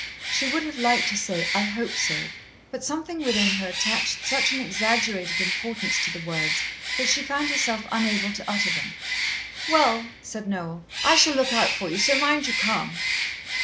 She would have liked to say, "I hope so," but something within her attached such an exaggerated importance to the words that she found herself unable to utter them. "Well," said Noel, "I shall look out for you, so mind you come."